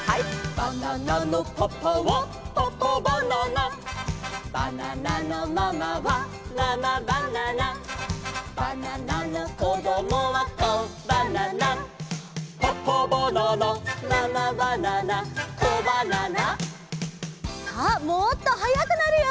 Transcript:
「バナナのパパはパパバナナ」「バナナのママはママバナナ」「バナナのこどもはコバナナ」「パパバナナママバナナコバナナ」さあもっとはやくなるよ！